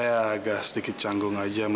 tidak ada kesukaan maks diriku